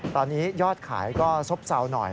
ตอนนี้ยอดขายก็ซบเซาหน่อย